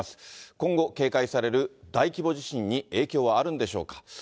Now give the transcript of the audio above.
今後、警戒される大規模地震に影響はあるんでしょうか。